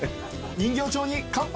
人形町に乾杯！